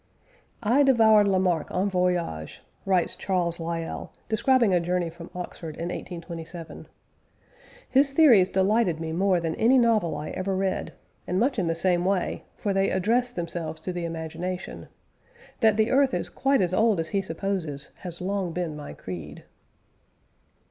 "I devoured Lamarck en voyage," writes Charles Lyell, describing a journey from Oxford in 1827. "His theories delighted me more than any novel I ever read, and much in the same way, for they address themselves to the imagination.... That the earth is quite as old as he supposes, has long been my creed."